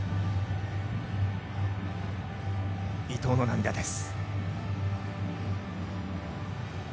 伊藤の涙です。